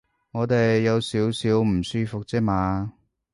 我哋有少少唔舒服啫嘛